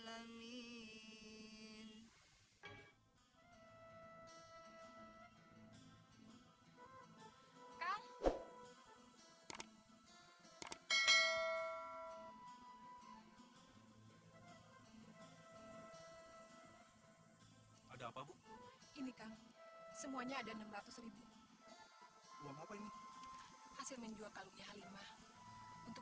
hai ada apa bu ini kang semuanya ada enam ratus uang apa ini hasil menjual kalau ya halimah untuk